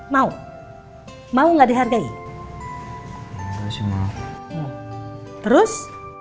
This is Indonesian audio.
mau mau nggak dihargai terus